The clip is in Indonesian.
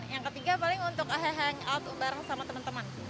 yang ketiga paling untuk hangout bareng sama teman teman